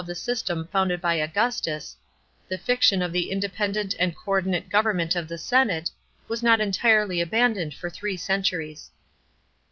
33 the system founded by Augustus — the fiction of the independent and co ordinate government of the senate— was not entirely abandoned for three centuries.